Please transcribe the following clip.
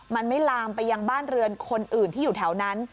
มันไม่ลามไปยังบ้านเรือนคนอื่นที่อยู่แถวนั้น